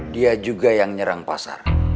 dia juga yang nyerang pasar